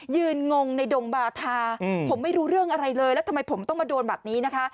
งงในดงบาธาผมไม่รู้เรื่องอะไรเลยแล้วทำไมผมต้องมาโดนแบบนี้นะคะ